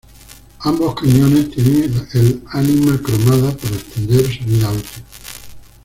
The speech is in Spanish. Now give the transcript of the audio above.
Ambos cañones tienen el ánima cromada para extender su vida útil.